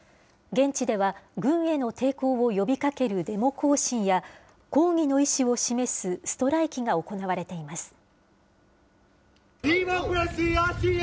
現地では、軍への抵抗を呼びかけるデモ行進や、抗議の意思を示すストライキが行われています。